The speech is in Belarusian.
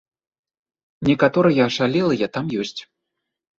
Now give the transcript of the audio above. Некаторыя ашалелыя там ёсць.